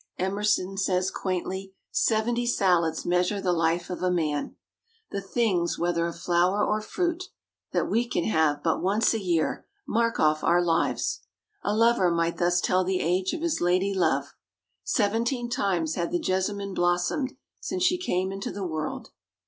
Emerson says quaintly, "Seventy salads measure the life of a man." The things, whether of flower or fruit, that we can have but once a year, mark off our lives. A lover might thus tell the age of his lady love: "Seventeen times had the jessamine blossomed since she came into the world."